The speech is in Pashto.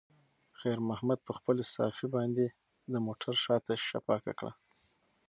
خیر محمد په خپلې صافې باندې د موټر شاته ښیښه پاکه کړه.